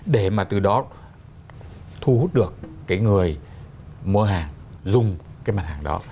để mà từ đó thu hút được cái người mua hàng dùng cái mặt hàng đó